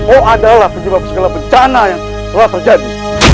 oh adalah penyebab segala bencana yang telah terjadi